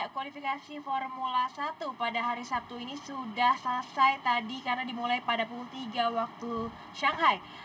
kualifikasi formula satu pada hari sabtu ini sudah selesai tadi karena dimulai pada pukul tiga waktu shanghai